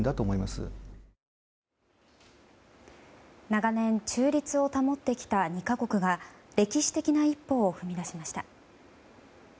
長年、中立を保ってきた２か国が歴史的な一歩を踏み出しました。